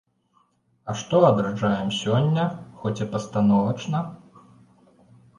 А што адраджаем сёння, хоць і пастановачна?